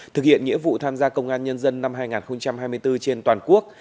thực hiện nghĩa vụ tham gia công an nhân dân năm hai nghìn hai mươi bốn trên toàn quốc